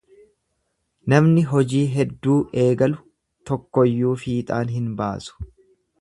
Namni hojii hedduu eegalu tokkoyyuu fixaan hin baasu.